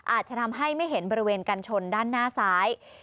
อาจจะทำให้ไม่เห็นบริเวณกันชนด้านหน้าซ้าย